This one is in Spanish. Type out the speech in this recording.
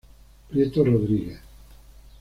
Prieto Rodríguez.